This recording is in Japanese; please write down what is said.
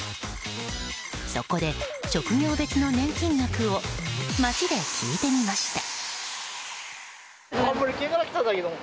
そこで、職業別の年金額を街で聞いてみました。